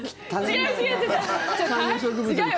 違う違う！